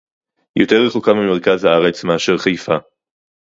יותר רחוקה ממרכז הארץ מאשר חיפה